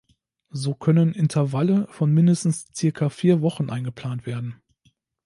So können Intervalle von mindestens circa vier Wochen eingeplant werden.